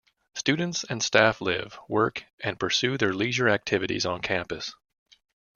Students and staff live, work and pursue their leisure activities on campus.